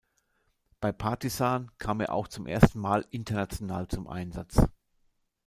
Bei Partizan kam er auch zum ersten Mal international zum Einsatz.